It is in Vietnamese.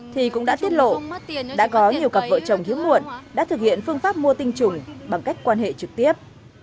thì cũng đã tiết lộ đã có nhiều cặp vợ chồng hiếm muộn đã thực hiện phương pháp mua tinh trùng bằng cách quan hệ trực tiếp